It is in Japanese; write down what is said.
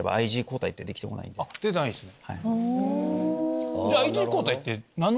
出てないんすね。